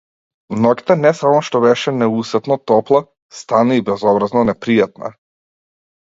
Ноќта не само што беше неусетно топла, стана и безобразно непријатна.